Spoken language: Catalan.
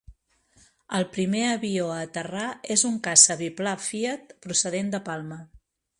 El primer avió a aterrar és un caça biplà Fiat, procedent de Palma.